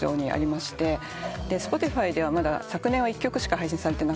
Ｓｐｏｔｉｆｙではまだ昨年は１曲しか配信されてなくて。